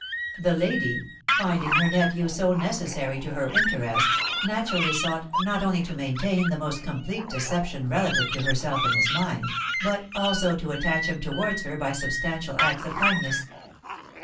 The lady, finding her nephew so necessary to her interests, naturally sought not only to maintain the most complete deception relative to herself in his mind, but also to attach him towards her by substantial acts of kindness.